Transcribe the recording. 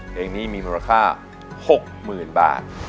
เพลงนี้มีมูลค่า๖๐๐๐บาท